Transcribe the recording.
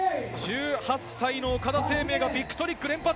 １８歳の岡田清明がビッグトリック連発。